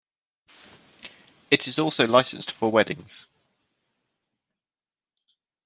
It is also licensed for weddings.